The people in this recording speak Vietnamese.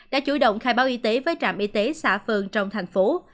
đã chủ động khai báo y tế với trạm y tế xã phường trong thành phố